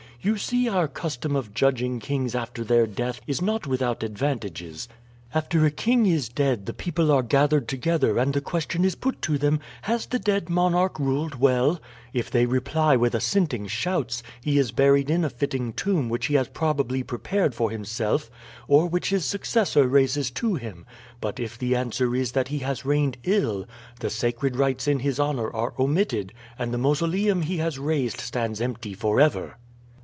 You see our custom of judging kings after their death is not without advantages. After a king is dead the people are gathered together and the question is put to them, Has the dead monarch ruled well? If they reply with assenting shouts, he is buried in a fitting tomb which he has probably prepared for himself, or which his successor raises to him; but if the answer is that he has reigned ill, the sacred rites in his honor are omitted and the mausoleum he has raised stands empty forever.